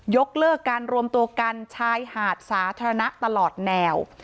ยกเลิกการรวมตัวกันชายหาดสาธารณะตลอดแนว